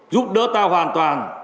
giúp đỡ ta hoàn toàn